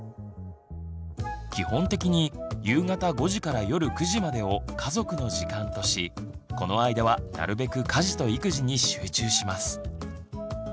基本的に夕方５時から夜９時までを「家族の時間」としこの間はなるべく家事と育児に集中します。